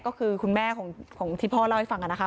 ก็คือคุณแม่ของที่พ่อเล่าให้ฟังนะคะ